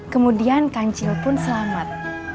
kemudian kancil pun selamat